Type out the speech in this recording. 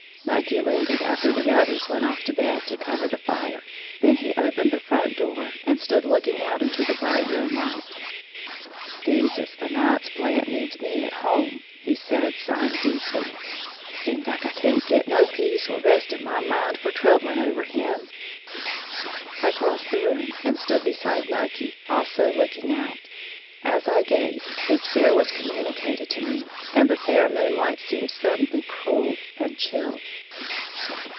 Nucky lingered after the others went off to bed, to cover the fire. Then he opened the front door, and stood looking out into the bright moonlight. "These is the nights Blant needs me at home," he said, sighing deeply; "seems like I can't get no peace or rest in my mind for troubling over him." I crossed the room and stood beside Nucky, also looking out. As I gazed, his fear was communicated to me, and the fair moonlight seemed suddenly cruel and chill.